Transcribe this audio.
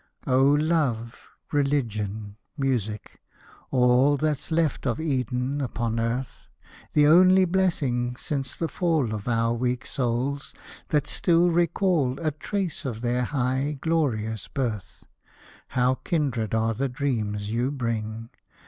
Oh Love, Religion, Music — all That's left of Eden upon earth — The only blessings, since the fall Of our weak souls, that still recall A trace of their high, glorious birth — How kindred are the dreams you bring